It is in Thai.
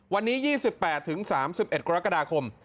วันนี้๒๘๓๑กรกฎาคม